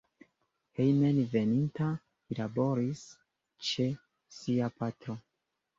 Hejmenveninta li laboris ĉe sia patro.